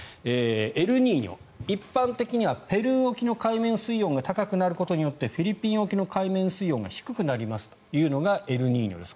エルニーニョ、一般的にはペルー沖の海面水温が高くなることでフィリピン沖の海面水温が低くなりますというのがエルニーニョです。